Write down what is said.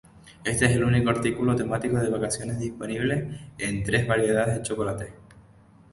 Este es el único artículo temático de vacaciones disponible en tres variedades de chocolate.